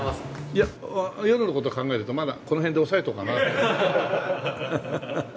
いや夜の事を考えるとまだこの辺で抑えとこうかなと。